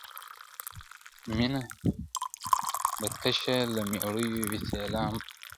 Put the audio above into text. مېنه به تشه له میړونو وي سیالان به نه وي!.